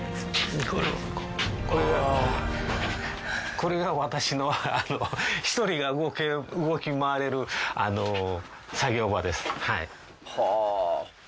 これが私の１人が動き回れる作業場ですはい。